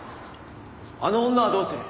あの女はどうする？